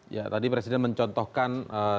ya tadi presiden mencontohkan